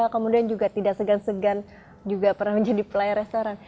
kemudian juga tidak segan segan juga pernah menjadi pelay restoran